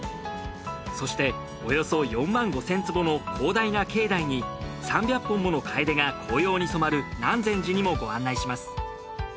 そしておよそ４万５，０００坪の広大な境内に３００本もの楓が紅葉に染まる南禅寺にもご案内します。